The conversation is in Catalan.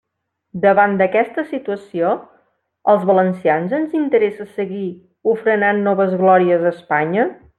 Davant d'aquesta situació, ¿als valencians ens interessa seguir ofrenant noves glòries a Espanya?